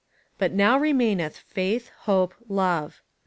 But now remaineth faith, hope, love.